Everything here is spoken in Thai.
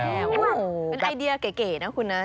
เป็นไอเดียเก๋นะคุณนะ